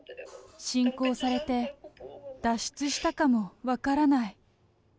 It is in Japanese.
侵攻されて脱出したかも分からない。